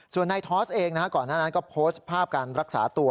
ส่วนนายทอสเองนะฮะก่อนหน้านั้นก็โพสต์ภาพการรักษาตัว